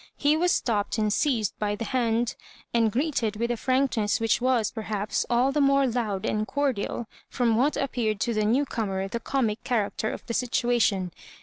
He was stopped and seized by the hand, and greeted witb a frankness which was, perhaps, all the more loud and cordial from what appeared to the new comer the comic cha racter of the situation.